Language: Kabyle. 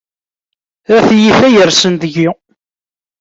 A tiyita yersen deg-i!